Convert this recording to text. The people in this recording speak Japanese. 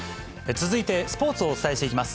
続いて、スポーツをお伝えしていきます。